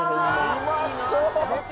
うまそう！